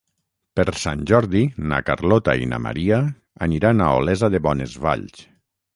Per Sant Jordi na Carlota i na Maria aniran a Olesa de Bonesvalls.